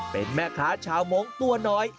เป็นแม่ค้าชาวมงค์ตัวน้อย